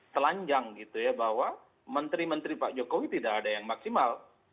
telanjang gitu ya bahwa menteri menteri pak jokowi tidak ada yang maksimal